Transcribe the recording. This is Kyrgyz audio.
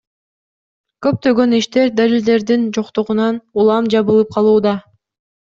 Көптөгөн иштер далилдердин жоктугунан улам жабылып калууда.